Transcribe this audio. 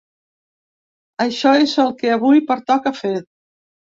Això és el que avui pertoca fer.